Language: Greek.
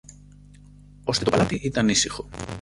Ώστε το παλάτι ήταν ήσυχο.